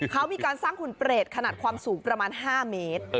เขามีการสร้างหุ่นเปรตขนาดความสูงประมาณ๕เมตร